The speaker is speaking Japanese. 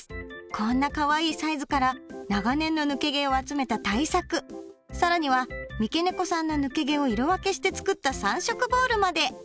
こんなかわいいサイズから長年の抜け毛を集めた大作更には三毛猫さんの抜け毛を色分けして作った３色ボールまで！